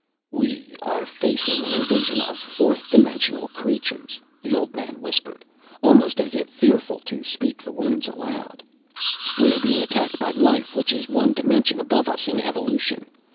"We are facing an invasion of fourth dimensional creatures," the old man whispered, almost as if fearful to speak the words aloud. "We are being attacked by life which is one dimension above us in evolution.